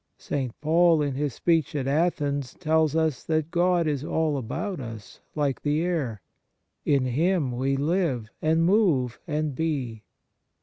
St. Paul, in his speech at Athens, tells us that God is all about us, like the air :" In Him we live and move and be."